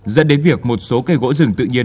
dẫn đến việc một số cây gỗ rừng tự nhiên